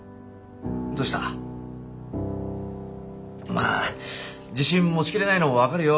まあ自信持ちきれないのも分かるよ。